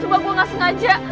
sumpah gue gak sengaja